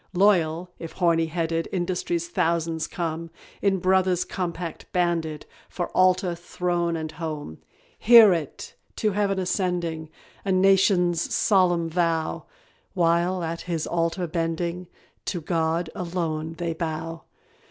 Loyal, if "horny handed," Industry's thousands come; In brother's compact banded For Altar, Throne, and Home. Hear it! to Heaven ascending, A nation's solemn vow; While, at His altar bending, To God alone they bow.